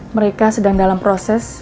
mereka sedang dalam proses